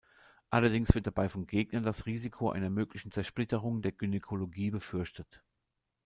Allerdings wird dabei von Gegnern das Risiko einer möglichen Zersplitterung der Gynäkologie befürchtet.